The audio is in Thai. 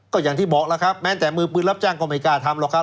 ก็อย่างที่บอกแล้วครับแม้แต่มือปืนรับจ้างก็ไม่กล้าทำหรอกครับ